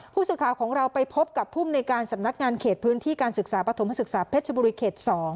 ผู้สื่อข่าวของเราไปพบกับภูมิในการสำนักงานเขตพื้นที่การศึกษาปฐมศึกษาเพชรบุรีเขต๒